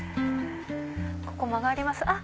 ここ曲がりますあっ！